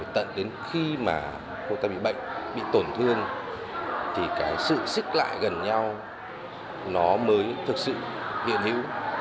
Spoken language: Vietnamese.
tận đến khi mà cô ta bị bệnh bị tổn thương thì cái sự xích lại gần nhau nó mới thực sự hiện hữu